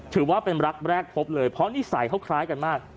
ถือว่าเป็นรักแรกพบเลยเพราะนิสัยเขาคล้ายกันมาก